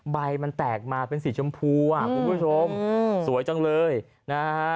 ใบมันแตกมาเป็นสีชมพูอ่ะคุณผู้ชมสวยจังเลยนะฮะ